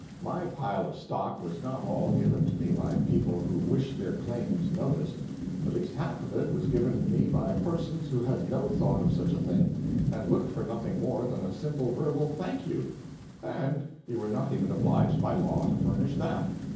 My pile of stock was not all given to me by people who wished their claims "noticed." At least half of it was given me by persons who had no thought of such a thing, and looked for nothing more than a simple verbal "thank you;" and you were not even obliged by law to furnish that.